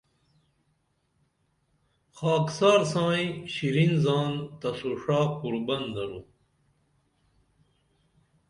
خاکسار سائیں شرین زان تسو ݜا قربن درو